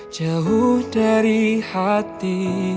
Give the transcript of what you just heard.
jauh dari hati